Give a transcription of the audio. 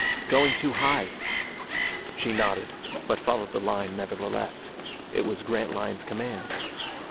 "Going too high." She nodded, but followed the line nevertheless. It was Grantline's command.